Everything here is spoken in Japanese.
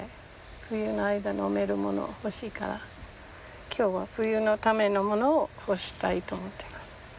冬の間飲めるもの欲しいから今日は冬のためのものを干したいと思っています。